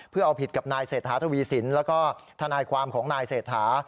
เพื่อเอาผิดกับนายเศรษฐาทวีสินแล้วก็ทนายความของนายเศรษฐา